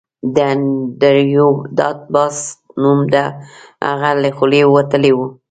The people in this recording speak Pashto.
د انډریو ډاټ باس نوم د هغه له خولې وتلی و